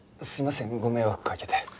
すいませんご迷惑かけて。